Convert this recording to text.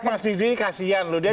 mas tv kasian loh dia